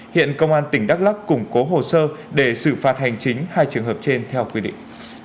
hiện công an tỉnh đắk lắc củng cố hồ sơ để xử phạt hành chính hai trường hợp trên theo quy định